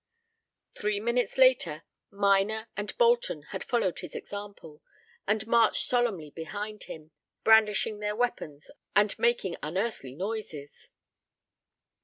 Three minutes later, Minor and Bolton had followed his example, and marched solemnly behind him, brandishing their weapons and making unearthly noises.